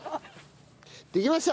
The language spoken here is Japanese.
できました！